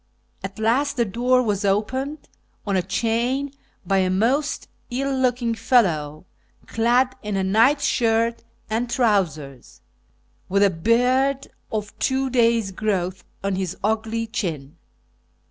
At last the door was opened, on a chain, by a most ill looking fellow, clad in a night shirt and trousers, with a beard of two days' growth on his ugly chin.